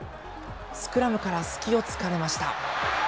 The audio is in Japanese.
スクラムから隙をつかれました。